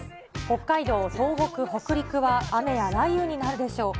北海道、東北、北陸は雨や雷雨になるでしょう。